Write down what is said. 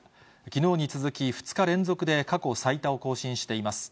きのうに続き２日連続で過去最多を更新しています。